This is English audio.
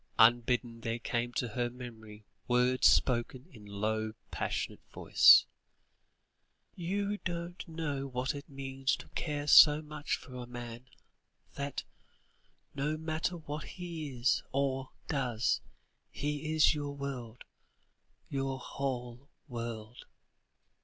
Unbidden there came to her memory words spoken in a low passionate voice: "You don't know what it means to care so much for a man, that, no matter what he is, or does, he is your world, your whole world."